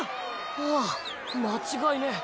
ああ間違いねぇ。